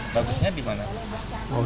bagusnya di mana